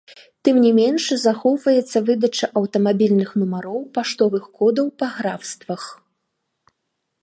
Тым не менш, захоўваецца выдача аўтамабільных нумароў, паштовых кодаў па графствах.